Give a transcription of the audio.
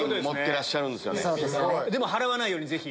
でも払わないようにぜひ。